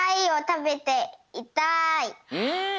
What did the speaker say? うん。